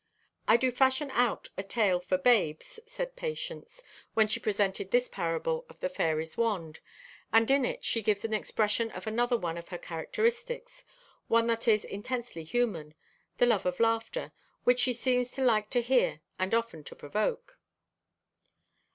"I do fashion out a tale for babes," said Patience, when she presented this parable of the fairy's wand, and in it she gives expression to another one of her characteristics, one that is intensely human, the love of laughter, which she seems to like to hear and often to provoke.